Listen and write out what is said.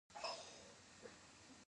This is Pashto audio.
د فاریاب سیلابونه خطرناک دي